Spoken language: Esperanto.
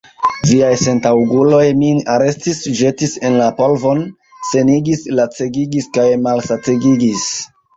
Viaj sentaŭguloj min arestis, ĵetis en la polvon, senigis, lacegigis kaj malsategigis.